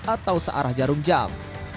atau searah jarum jam